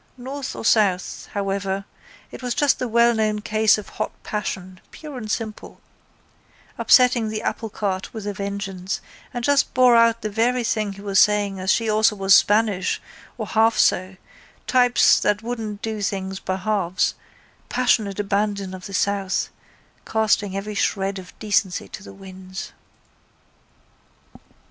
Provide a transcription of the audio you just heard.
North or south, however, it was just the wellknown case of hot passion, pure and simple, upsetting the applecart with a vengeance and just bore out the very thing he was saying as she also was Spanish or half so, types that wouldn't do things by halves, passionate abandon of the south, casting every shred of decency to the winds.